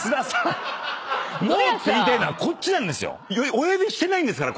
お呼びしてないんですから。